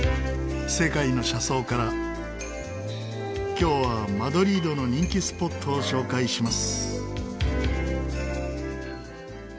今日はマドリードの人気スポットを紹介します。